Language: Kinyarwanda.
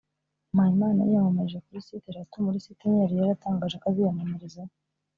Mpayimana yiyamamarije kuri site eshatu muri site enye yari yatangaje ko aziyamamarizaho